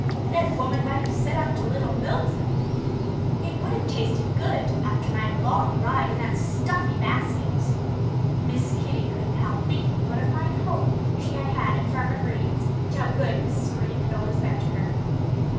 "That woman might have set out a little milk for me. It would have tasted good, after my long ride in that stuffy basket." Miss Kitty couldn't help thinking what a fine home she had had at Farmer Green's and how good Mrs. Green had always been to her.